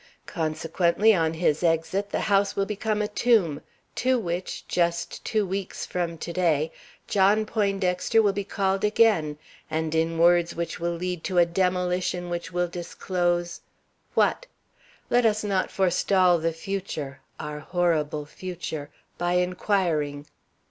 Consequently, on his exit, the house will become a tomb, to which, just two weeks from to day, John Poindexter will be called again, and in words which will lead to a demolition which will disclose what? Let us not forestall the future, our horrible future, by inquiring.